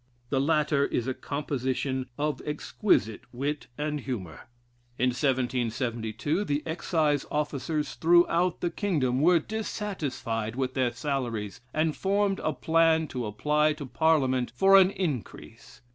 The latter is a composition of "exquisite wit and humor." In 1772 the Excise officers throughout the kingdom were dissatisfied with their salaries, and formed a plan to apply to Parliament for an increase.